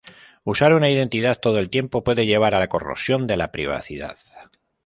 Usar una identidad todo el tiempo puede llevar a la corrosión de la privacidad.